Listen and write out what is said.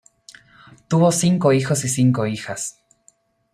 Tuvo cinco hijos y cinco hijas.